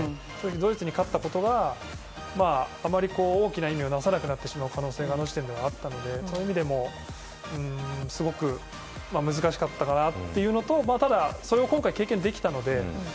ドイツに勝ったことがあまり大きな意味をなさなくなってしまう可能性がどうしてもあったのでその意味でもすごく難しかったかなというのとただ、それを今回経験できたので。